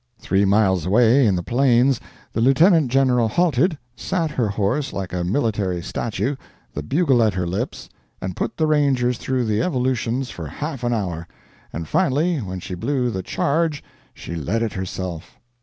Three miles away, in the Plains, the Lieutenant General halted, sat her horse like a military statue, the bugle at her lips, and put the Rangers through the evolutions for half an hour; and finally, when she blew the "charge," she led it herself.